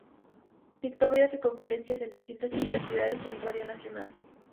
Dictó varias conferencias en distintas universidades y en Radio Nacional.